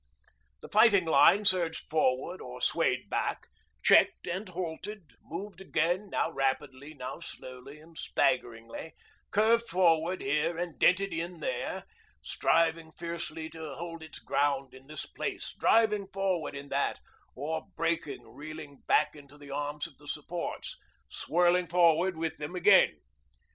The fighting line surged forward or swayed back, checked and halted, moved again, now rapidly, now slowly and staggeringly, curved forward here and dinted in there, striving fiercely to hold its ground in this place, driving forward in that, or breaking, reeling back into the arms of the supports, swirling forward with them again.